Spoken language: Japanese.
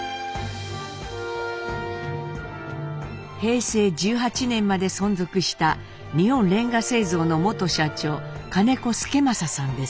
平成１８年まで存続した日本煉瓦製造の元社長金子祐正さんです。